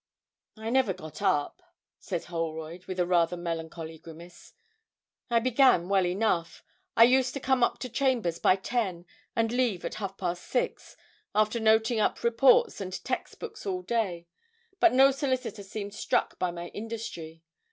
'I never got up,' said Holroyd, with a rather melancholy grimace. 'I began well enough. I used to come up to chambers by ten and leave at half past six, after noting up reports and text books all day; but no solicitor seemed struck by my industry.